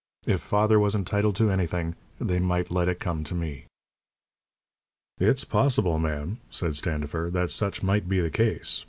If father was entitled to anything, they might let it come to me." "It's possible, ma'am," said Standifer, "that such might be the case.